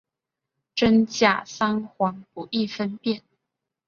真假桑黄不易分辨。